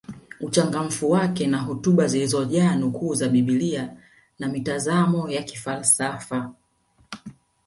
Uchangamfu wake na hotuba zilizojaa nukuu za biblia na mitazamo ya kifalsafa